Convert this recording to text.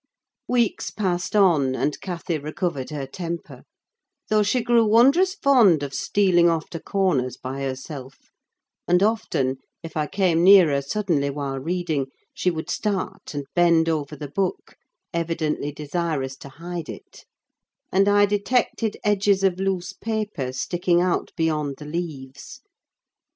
Weeks passed on, and Cathy recovered her temper; though she grew wondrous fond of stealing off to corners by herself; and often, if I came near her suddenly while reading, she would start and bend over the book, evidently desirous to hide it; and I detected edges of loose paper sticking out beyond the leaves.